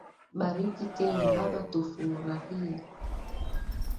Bariki kenya baba tufurahie.